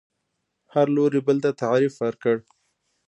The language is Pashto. هر لوري بل ته تعریف ورکړ